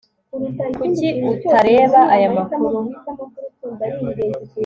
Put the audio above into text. kuki utareba aya makuru